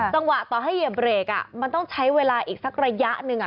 จังหวะต่อให้เหยียบเบรกมันต้องใช้เวลาอีกสักระยะหนึ่ง